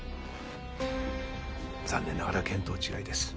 残念ながら見当違いです。